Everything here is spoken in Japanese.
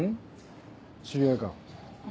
知り合いか？